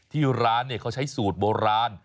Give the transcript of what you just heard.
ที่ร้านเขาใช้สูตรโบราณ